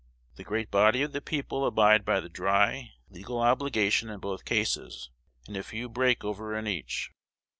The great body of the people abide by the dry, legal obligation in both cases, and a few break over in each.